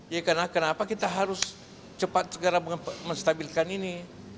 ya kenapa kita harus cepat cepat menstabilkan ini